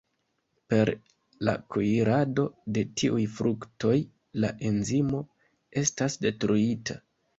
Per la kuirado de tiuj fruktoj la enzimo estas detruita.